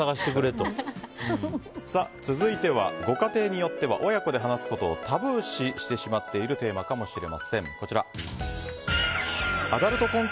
続いては、ご家庭によっては親子で話すことをタブー視してしまっている夏休みに考える性教育。